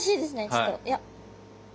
ちょっといや。